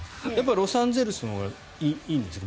ロサンゼルスのほうがいいんですか？